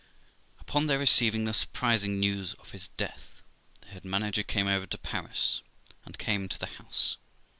Upon their receiving the surprising news of his death, the head manager came over to Paris, and came to the house.